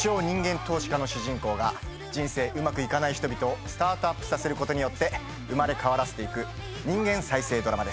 投資家の主人公が人生うまくいかない人々をスタートアップさせることによって生まれ変わらせていく人間再生ドラマです。